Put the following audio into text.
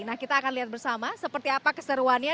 nah kita akan lihat bersama seperti apa keseruannya